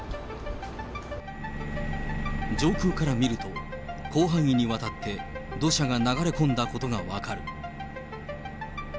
上空から見ると、広範囲にわたって土砂が流れ込んだことが分かる。